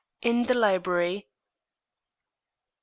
IV. IN THE LIBRARY. Mr.